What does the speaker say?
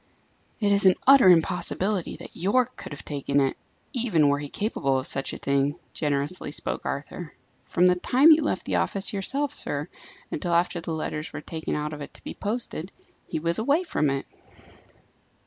"It is an utter impossibility that Yorke could have taken it, even were he capable of such a thing," generously spoke Arthur. "From the time you left the office yourself, sir, until after the letters were taken out of it to be posted, he was away from it."